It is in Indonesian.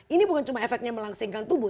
ini bukan cuma efeknya melangsingkan tubuh